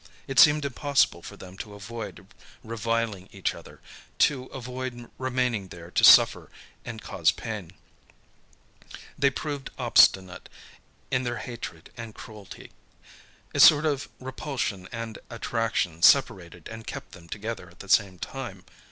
It seemed impossible for them to avoid reviling each other, to avoid remaining there to suffer and cause pain. They proved obstinate in their hatred and cruelty. A sort of repulsion and attraction separated and kept them together at the same time.